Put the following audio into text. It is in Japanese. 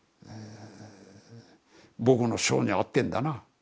僕の性に合ってんだな。